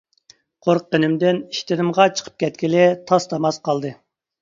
قورققىنىمدىن ئىشتىنىمغا چىقىپ كەتكىلى تاس-تاماس قالدى.